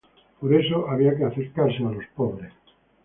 Por eso había que acercarse a los pobres".